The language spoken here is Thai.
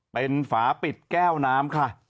เป็นฝาปิดแก้วน้ำค่ะ